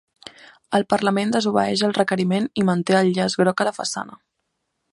El parlament desobeeix el requeriment i manté el llaç groc a la façana